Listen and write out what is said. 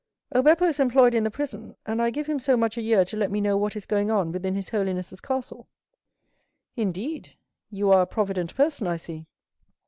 "Oh, Beppo is employed in the prison, and I give him so much a year to let me know what is going on within his holiness's castle." "Indeed! You are a provident person, I see."